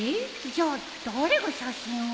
じゃあ誰が写真を？